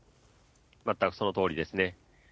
全くそのとおりですね。